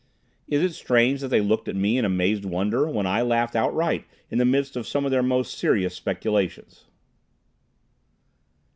Is it strange that they looked at me in amazed wonder when I laughed outright in the midst of some of their most serious speculations?